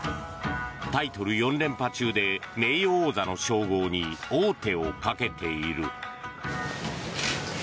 タイトル４連覇中で名誉王座の称号に王手をかけている。